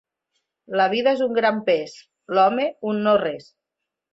La vida és un gran pes: l'home un no res.